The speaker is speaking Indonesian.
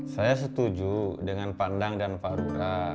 saya setuju dengan pandang dan pak lurah